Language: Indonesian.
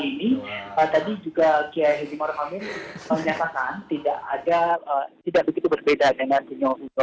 ini dirinya lebih menekankan dan mengajak para calon pemilik untuk mencoblot nomor satu begitu